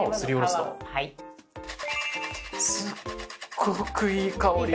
すっごくいい香り。